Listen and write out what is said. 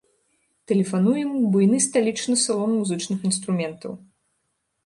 Тэлефануем у буйны сталічны салон музычных інструментаў.